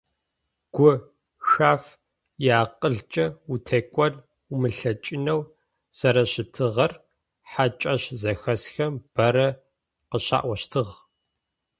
Гушъэф иакъылкӏэ утекӏон умылъэкӏынэу зэрэщытыгъэр хьакӏэщ зэхэсхэм бэрэ къыщаӏощтыгъ.